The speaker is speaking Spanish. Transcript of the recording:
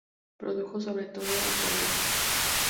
Produjo sobre todo acuarelas.